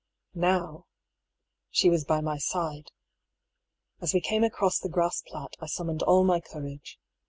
Now — she was by my side. As we came across the grass plat I summoned all my courage.